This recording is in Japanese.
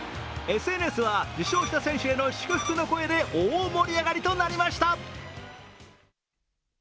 ＳＮＳは受賞した選手への祝福の声で大盛り上がりとなりました。